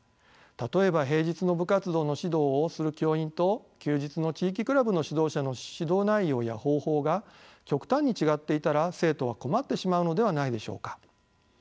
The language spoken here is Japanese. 例えば平日の部活動の指導をする教員と休日の地域クラブの指導者の指導内容や方法が極端に違っていたら生徒は困ってしまうのではないでしょうか。